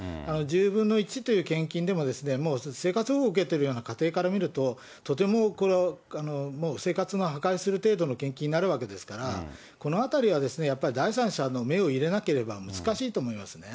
１０分の１という献金でももう生活保護を受けてるような家庭から見ると、とてもこれはもう生活を破壊する程度の献金になるわけですから、このあたりはやっぱり第三者の目を入れなければ難しいと思いますね。